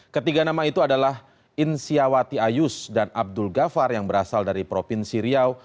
ketiga nama itu adalah insiawati ayus dan abdul ghafar yang berasal dari provinsi riau